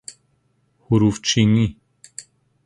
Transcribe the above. حروفچینی